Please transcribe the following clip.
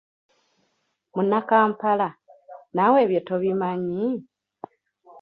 Munnakampala, naawe ebyo tobimanyi?